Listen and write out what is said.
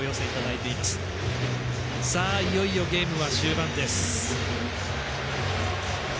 いよいよゲーム終盤です。